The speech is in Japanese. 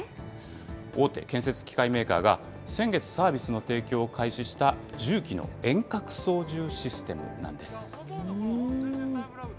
大手建設機械メーカーが、先月、サービスの提供を開始した重機の遠隔操縦システムなんです。